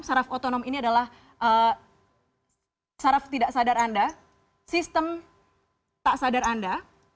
saraf otonom ini adalah saraf tidak sadar anda sistem tak sadar anda